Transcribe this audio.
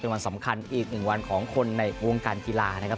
เป็นวันสำคัญอีกหนึ่งวันของคนในวงการกีฬานะครับ